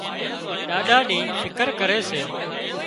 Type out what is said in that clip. ڏاڏا نِي فڪر ڪري سي